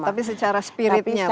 tapi secara spiritnya paling penting